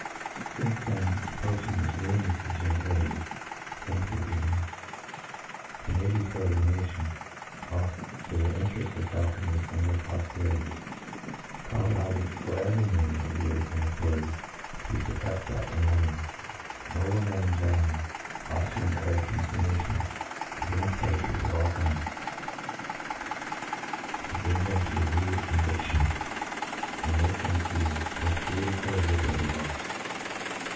Since then poaching is ruinous to gentility, and to the game, and may be fo to the natioq ^o, the interefts of faulconry and of poftcrity call loudly for every map of weight and ^utfiori? ty to fupprefs that epormity^ Noblemen and gentlemen ought to encourage informations a gainft ppafhers of all Vnds, to bring thepi to immediate conviction, and make them feel the |alutary rigour of the laws.